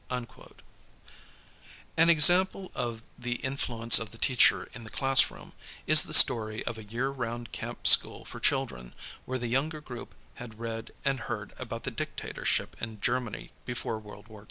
"'^ An example of the influence of the teacher in the classroom is the storv of a year round camp school for children, where the younger group had read and heard about the dictatorship in Germany before World War II.